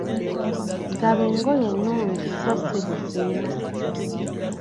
Gaba engoye ennungi sso si biziina.